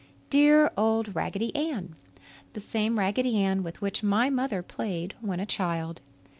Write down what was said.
Dear old Raggedy Ann! The same Raggedy Ann with which my mother played when a child.